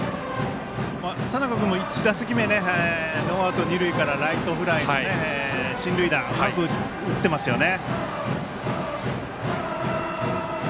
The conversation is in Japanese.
佐仲君も１打席目ノーアウト、二塁からライトフライの進塁打うまく打ってますよね。